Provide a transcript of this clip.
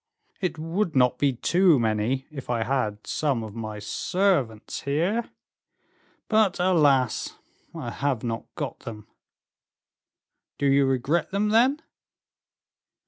"It would not be too many if I had some of my servants here; but, alas! I have not got them." "Do you regret them, then?"